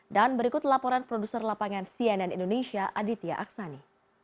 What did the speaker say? dan berikut laporan produser lapangan cnn indonesia aditya aksani